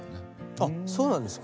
あっそうなんですか？